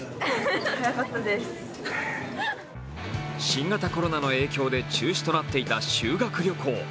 新型コロナの影響で中止となっていた修学旅行。